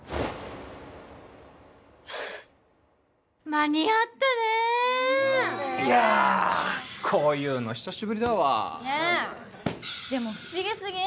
間に合ったねいやあこういうの久しぶりだわねえでも不思議すぎん？